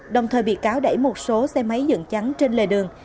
đồng thời bị cáo đẩy một số xe máy dựng trắng trên lề đường